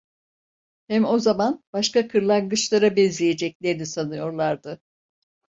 Hem o zaman başka kırlangıçlara benzeyeceklerini sanıyorlardı.